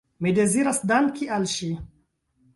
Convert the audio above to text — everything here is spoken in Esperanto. Mi deziras danki al ŝi.